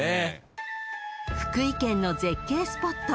［福井県の絶景スポット